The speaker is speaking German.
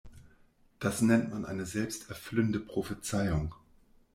Das nennt man eine selbsterfüllende Prophezeiung.